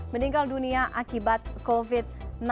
meninggal dunia akibat covid sembilan belas